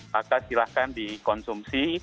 paka silahkan dikonsumsi